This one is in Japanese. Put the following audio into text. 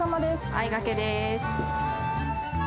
あいがけです。